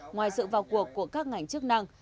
ngoài sự vào cuộc của các ngành chức năng